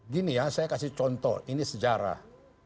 gini ya saya kasih contoh ini sejarah